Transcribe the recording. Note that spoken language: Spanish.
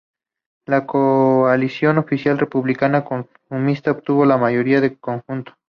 La coalición oficialista Republicana-Comunista obtuvo la mayoría, en conjunto.